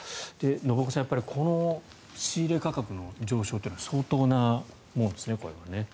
信岡さん、やっぱりこの仕入れ価格の上昇というのは相当なものですね、これは。